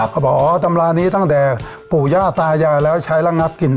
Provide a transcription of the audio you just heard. ลองทำตัวนี้แล้วเราก็เลยใช้เองด้วย